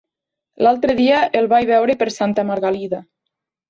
L'altre dia el vaig veure per Santa Margalida.